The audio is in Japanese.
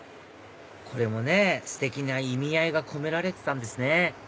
これもねステキな意味合いが込められてたんですね